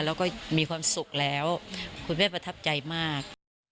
แล้วก็มีความสุขแล้วคุณแม่ประทับใจมาก